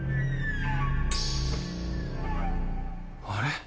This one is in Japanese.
あれ？